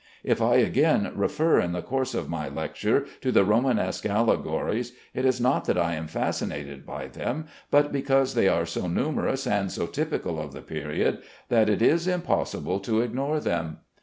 If I again refer in the course of my lectures to the Romanesque allegories, it is not that I am fascinated by them, but because they are so numerous and so typical of the period that it is impossible to ignore them.